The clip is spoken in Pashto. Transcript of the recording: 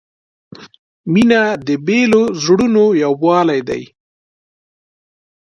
• مینه د بېلو زړونو یووالی دی.